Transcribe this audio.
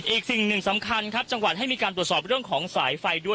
อีกสิ่งหนึ่งสำคัญครับจังหวัดให้มีการตรวจสอบเรื่องของสายไฟด้วย